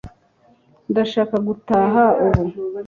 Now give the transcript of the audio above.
ndashaka gutaha ubu